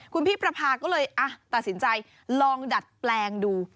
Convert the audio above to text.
คุณพี่ประพาก็เลยตัดสินใจลองดัดแปลงดู